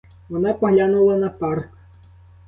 Вона поглянула на парк.